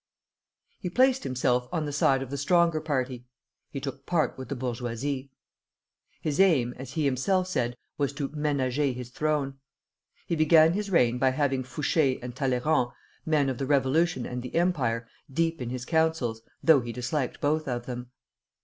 He placed himself on the side of the stronger party, he took part with the bourgeoisie. His aim, as he himself said, was to ménager his throne. He began his reign by having Fouché and Talleyrand, men of the Revolution and the Empire, deep in his councils, though he disliked both of them.